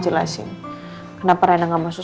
jelasin kenapa rena gak masuk